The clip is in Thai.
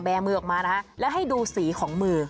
มือออกมานะคะแล้วให้ดูสีของมือ